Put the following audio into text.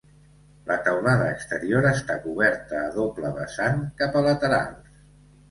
La teulada exterior està coberta a doble vessant cap a laterals.